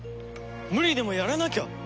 無理でもやらなきゃ。